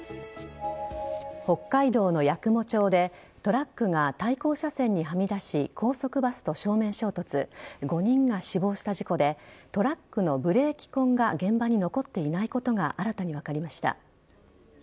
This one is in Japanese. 北海道の八雲町で、トラックが対向車線にはみ出し高速バスと正面衝突、５人が死亡した事故で、トラックのブレーキ痕が現場に残っていないことが新たに分かりました。